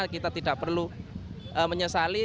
kita tidak perlu menyesali